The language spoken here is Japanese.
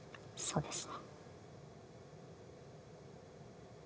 そうです。